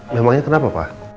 memangnya kenapa pak